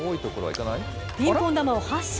ピンポン球を発射。